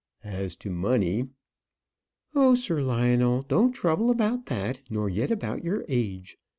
As to money " "Oh, Sir Lionel, don't trouble about that; nor yet about your age.